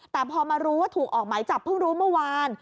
แต่พอมารู้ว่าถูกออกหมายจับเพิ่งรู้เมื่อวาน